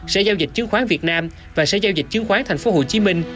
sẽ giao dịch chứng khoán việt nam và sẽ giao dịch chứng khoán tp hcm